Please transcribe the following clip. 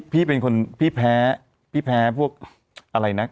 พี่เป็นคนพี่แพ้พวกอะไรนะ